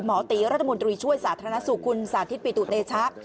หมอตีรัฐมนตรีช่วยสาธารณสุขคุณสาธิตปิตุเตชะ